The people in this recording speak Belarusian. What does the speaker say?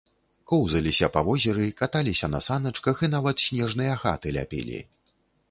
Коўзаліся па возеры, каталіся на саначках і нават снежныя хаты ляпілі.